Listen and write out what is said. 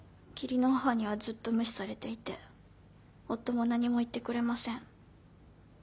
義理の母にはずっと無視されていて夫も何も言ってくれません。